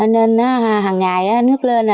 nên hằng ngày nước lên